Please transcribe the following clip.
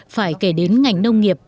phải kể đến ngành nông nghiệp